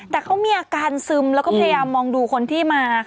แต่เขามีอาการซึมแล้วก็พยายามมองดูคนที่มา